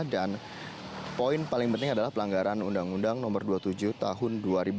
dan poin paling penting adalah pelanggaran undang undang nomor dua puluh tujuh tahun dua ribu tujuh